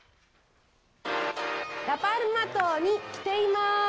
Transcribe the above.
ラ・パルマ島に来ています！